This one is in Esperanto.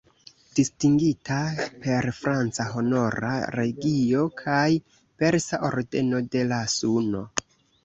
Distingita per franca Honora Legio kaj persa Ordeno de la Suno.